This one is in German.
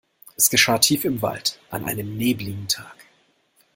Es geschah tief im Wald an einem nebeligen Tag.